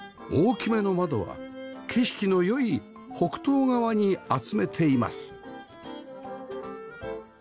大きめの窓は景色の良い北東側に集めています